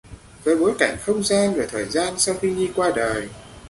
Với bối cảnh không gian và thời gian sau khi Nhi qua đời